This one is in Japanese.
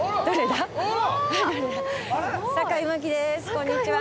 こんにちは。